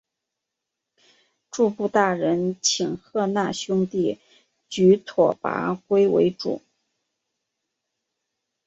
诸部大人请贺讷兄弟举拓跋圭为主。